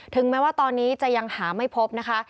แม้ว่าตอนนี้จะยังหาไม่พบนะคะ